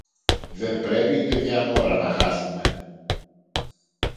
Δεν πρέπει ούτε μιαν ώρα να χάσουμε